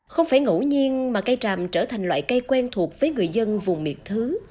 không phải ngẫu nhiên mà cây tràm trở thành loại cây quen thuộc với người dân vùng miệt thứ